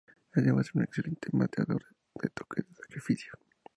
Además era un excelente bateador de toques de sacrificio.